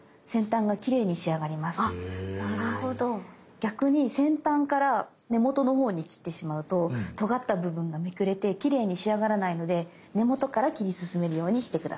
逆に先端から根元のほうに切ってしまうととがった部分がめくれてきれいに仕上がらないので根元から切り進めるようにして下さい。